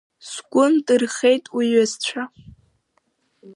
Сгәы ндырхеит уҩызцәа?!